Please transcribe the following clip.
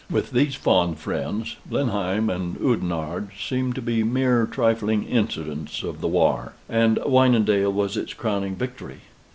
With these fond friends, Blenheim and Oudenarde seemed to be mere trifling incidents of the war; and Wynendael was its crowning victory.